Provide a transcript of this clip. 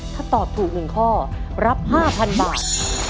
ถ้าตอบถูก๑ข้อรับ๕๐๐๐บาท